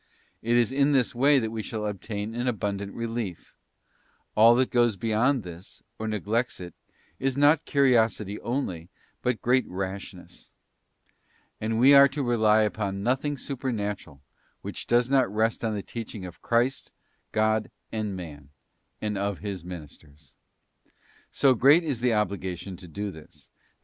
It is in this way that we shall obtain an abundant relief; all that goes beyond this, or neglects it, is not curiosity only, but great rashness ; and we are to rely upon nothing supernatural which does not rest on the teaching of Christ, God and man, and of His ministers. So great is the obligation to do this, that S.